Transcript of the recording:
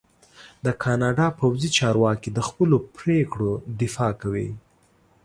د کاناډا پوځي چارواکي د خپلو پرېکړو دفاع کوي.